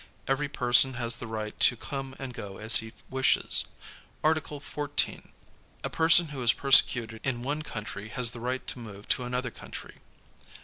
Every person has the right to come and go as he wishes. Articlk 11. A person who is persecuted in one lountiy has the right to move to another country.